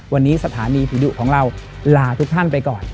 วันนี้สถานีผีดุของเราลาทุกท่านไปก่อน